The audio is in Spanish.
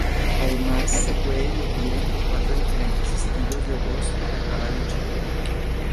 Además, se puede elegir entre cuatro diferentes estilos de voz para cada luchadora.